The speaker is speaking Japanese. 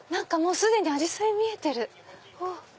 既にアジサイ見えてる！